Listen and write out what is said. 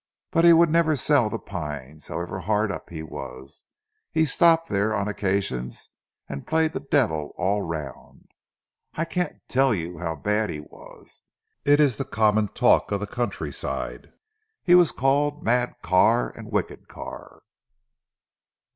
But he would never sell 'The Pines,' however hard up he was. He stopped there on occasions, and played the devil all round. I can't tell you how bad he was. It is the common talk of the countryside. He was called Mad Carr, and Wicked Carr."